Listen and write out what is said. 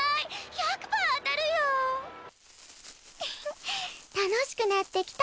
１００パー当たるよフフッ楽しくなってきた